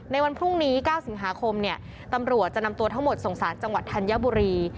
ในวันพรุ่งนี้๙สิงหาคมเนี่ยตำรวจจะนำตัวทั้งหมดส่งสารจังหวัดธัญบุรี